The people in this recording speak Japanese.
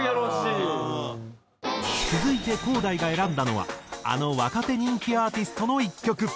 続いてＫＯＨＤが選んだのはあの若手人気アーティストの１曲。